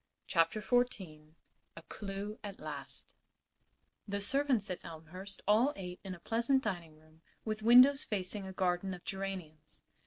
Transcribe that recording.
CHAPTER XVI A CLEW AT LAST The servants at Elmhurst all ate in a pleasant dining room with windows facing a garden of geraniums.